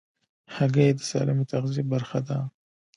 هګۍ د سالمې تغذیې برخه ده.